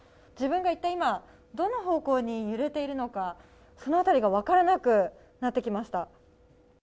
自分が一体今、どの方向に揺れているのか、そのあたりが分からなくなってきました。